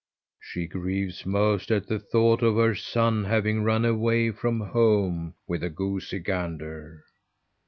She grieves most at the thought of her son having run away from home with a goosey gander."